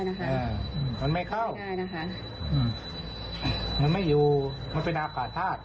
นะคะอืมมันไม่เข้าไม่ได้นะคะอืมมันไม่อยู่มันเป็นอากาศภาพ